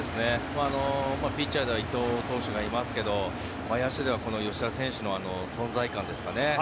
ピッチャーでは伊藤投手がいますけど野手では吉田選手の存在感ですかね。